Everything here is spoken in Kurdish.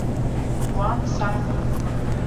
Wan sar bû.